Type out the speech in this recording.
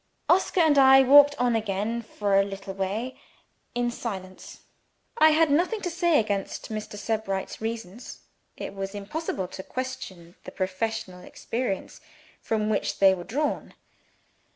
Oscar and I walked on again for a little way, in silence. I had nothing to say against Mr. Sebright's reasons; it was impossible to question the professional experience from which they were drawn.